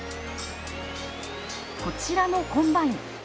こちらのコンバイン。